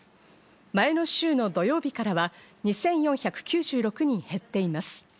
前の週の土曜日からは２４９６人減っています。